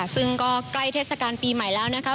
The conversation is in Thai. ซึ่งก็ใกล้เทศกาลปีใหม่แล้วนะครับ